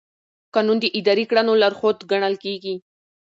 قانون د اداري کړنو لارښود ګڼل کېږي.